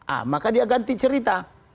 a maka dia ganti cerita